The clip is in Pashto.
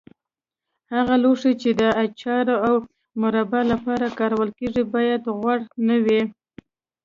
هغه لوښي چې د اچار او مربا لپاره کارول کېږي باید غوړ نه وي.